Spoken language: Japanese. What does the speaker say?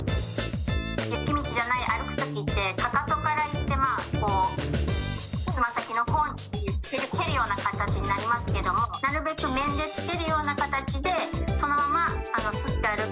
雪道じゃない歩くときって、かかとからいって、こう、つま先の甲にいって、蹴るような形になりますけども、なるべく面でつけるような形で、そのまますって歩く。